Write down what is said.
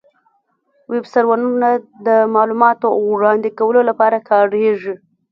ویب سرورونه د معلوماتو وړاندې کولو لپاره کارېږي.